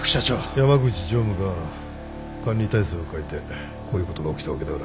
山口常務が管理体制を変えてこういうことが起きたわけだから。